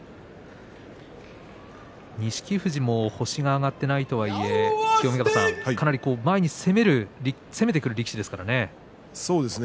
錦富士も星が挙がっていないとはいえ清見潟さん、かなり前に攻めてくる力士ですからね。